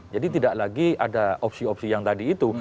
jadi tidak lagi ada opsi opsi yang tadi itu